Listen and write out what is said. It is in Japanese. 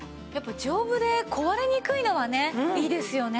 丈夫で壊れにくいのはねいいですよね。